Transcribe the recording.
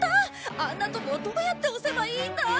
あんなとこどうやって押せばいいんだ？